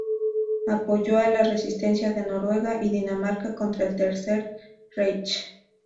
Apoyó a la resistencia de Noruega y Dinamarca contra el Tercer Reich.